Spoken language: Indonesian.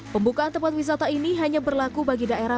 pembukaan tempat wisata ini hanya berlaku bagi daerah